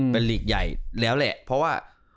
เป็นหลีกใหญ่แล้วแหละเพราะว่า